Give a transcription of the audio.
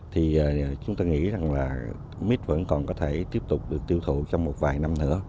thì chúng ta nghĩ rằng là mít vẫn còn có thể tiếp tục được tiêu thụ trong một vài năm nữa